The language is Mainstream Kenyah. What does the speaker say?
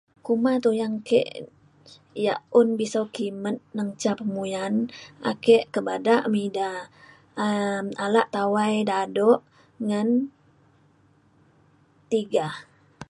kuma tuyang ke yak un bisau kimet neng ca pemuyan ake ke bada me ida um ala tawai dado ngan tiga